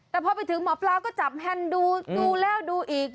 แต่พอไปถึงหมอปลาก็จับแฮนด์ดูแล้วดูอีก